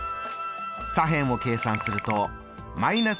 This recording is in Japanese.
左辺を計算するとー２０。